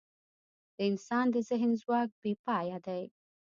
د انسان د ذهن ځواک بېپایه دی.